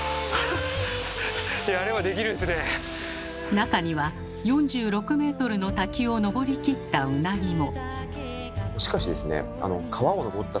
中には４６メートルの滝を登り切ったウナギも。